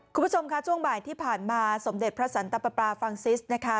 คุณผู้ชมค่ะช่วงบ่ายที่ผ่านมาสมเด็จพระสันตปาฟรังซิสนะคะ